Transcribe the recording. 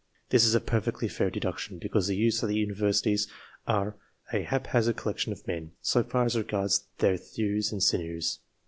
This is a perfectly fair deduction, because the youths at the Universities are a hap hazard collection of men, so far as regards their thews and sinews.